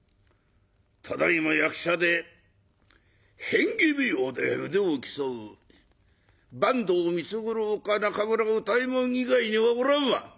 ただいま役者で変化舞踊で腕を競う坂東三津五郎か中村歌右衛門以外にはおらんわ。